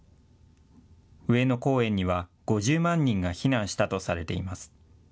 上野公園には５０万人が避難したとされています。